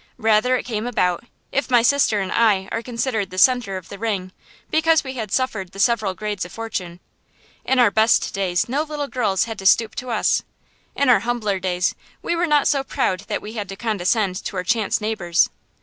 Rather it came about, if my sister and I are considered the centre of the ring, because we had suffered the several grades of fortune. In our best days no little girls had to stoop to us; in our humbler days we were not so proud that we had to condescend to our chance neighbors.